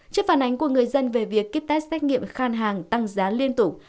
trên phản ánh của người dân về việc kích tác xét nghiệm khan hàng tăng giá liên tục